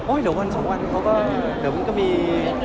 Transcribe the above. โอ้ยเดี๋ยววันเขาก็เดี๋ยวก็มี